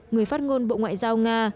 người phát ngôn bộ ngoại giao nga